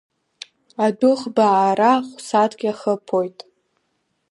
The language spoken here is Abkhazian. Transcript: Адәыӷба аара хә-сааҭк иахыԥоит…